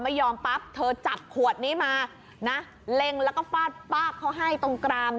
ไม่ยอมปั๊บเธอจับขวดนี้มานะเล็งแล้วก็ฟาดปากเขาให้ตรงกราม